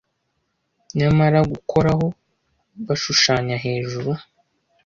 Nyamara, gukoraho, bashushanya hejuru